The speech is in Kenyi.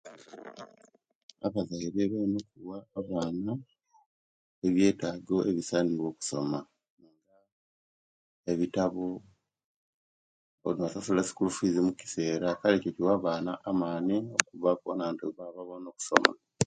Abazaire baline okuwa omwana ebyetago ebisanira okusoma ebitabo okusasula sikulu fizi mukisera kale ekyo kiwa abana amani okuba bona nti baba bona okusoma